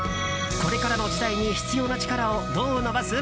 これからの時代に必要な力をどう伸ばす？